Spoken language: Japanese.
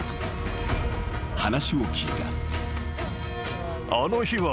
話を聞いた］